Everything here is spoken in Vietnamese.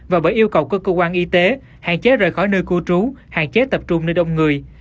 và bởi yêu cầu các cơ quan y tế hạn chế rời khỏi nơi cư trú hạn chế tập trung nơi đông người